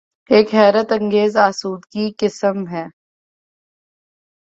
ایک حیرت انگیز آسودگی قسم ہے۔